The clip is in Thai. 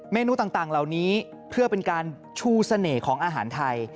นูต่างเหล่านี้เพื่อเป็นการชูเสน่ห์ของอาหารไทย